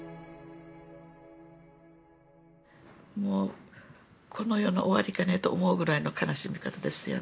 もうこの世の終わりかなと思うぐらいの悲しみ方ですよ